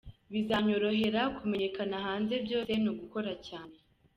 Bizananyorohera kumenyakana hanze, byose ni ugukora cyane.